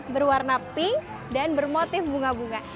berwarna pink dan bermotif bunga bunga